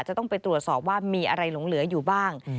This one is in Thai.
จะต้องไปตรวจสอบว่ามีอะไรหลงเหลืออยู่บ้าง